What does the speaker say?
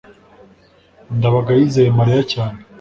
ndabaga yizeye mariya cyane